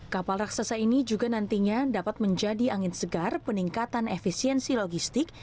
kapal raksasa ini juga nantinya dapat menjadi angin segar peningkatan efisiensi logistik